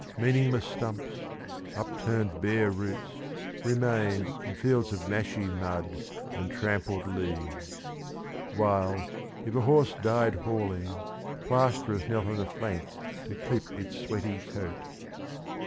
Meaningless stumps, unturned bare roots, remained In fields of mashy mud and trampled leaves, While, if a horse died hauling, plasterers Knelt on a plank to clip its sweaty coat.